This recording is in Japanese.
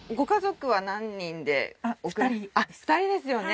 あっ２人ですよね？